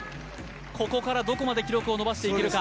ここからどこまで記録を伸ばしていけるか。